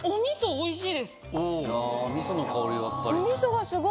おいしい。